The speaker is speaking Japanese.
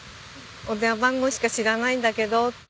お電話番号しか知らないんだけど。